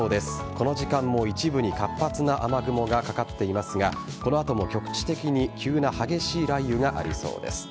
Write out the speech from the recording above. この時間も一部に活発な雨雲がかかっていますがこの後も局地的に急な激しい雷雨がありそうです。